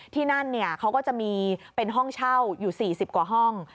ที่นั่นเขาก็จะมีเป็นห้องเช่าอยู่๔๐กว่าห้อง